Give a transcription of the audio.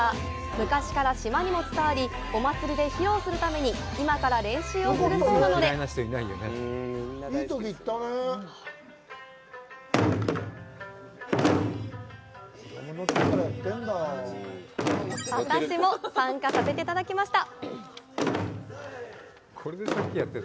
昔から島にも伝わり、お祭りで披露するために、今から練習をするそうなので私も参加させていただきました！